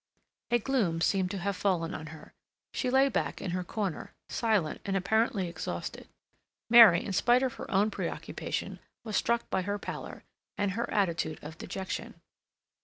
A gloom seemed to have fallen on her. She lay back in her corner, silent and apparently exhausted. Mary, in spite of her own preoccupation, was struck by her pallor and her attitude of dejection.